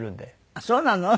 あっそうなの？